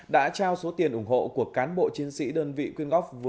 đã trao số tiền ủng hộ của cán bộ chiến sĩ đơn vị quyên góp